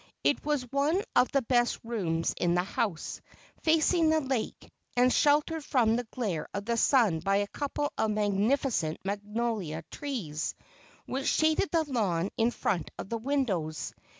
It was one of the best rooms in the house, facing the lake, and sheltered from the glare of the sun by a couple of magnificent magnolia trees, which shaded the lawn in front of the windows.